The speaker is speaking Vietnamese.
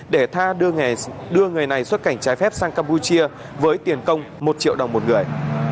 để tha đưa người này xuất cảnh trái phép sang campuchia với tiền công một triệu đồng một người